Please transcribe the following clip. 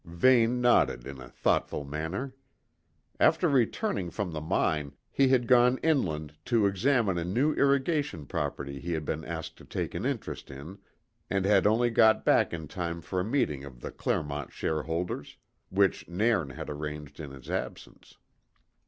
Vane nodded in a thoughtful manner. After returning from the mine, he had gone inland to examine a new irrigation property he had been asked to take an interest in, and had only got back in time for a meeting of the Clermont shareholders, which Nairn had arranged in his absence.